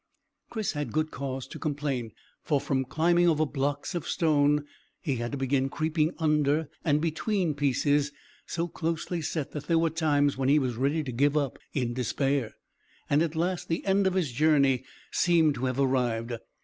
Chris had good cause to complain, for from climbing over blocks of stone he had to begin creeping under and between pieces so closely set that there were times when he was ready to give up in despair, and at last the end of his journey seemed to have arrived.